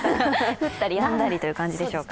降ったりやんだりという感じでしょうか。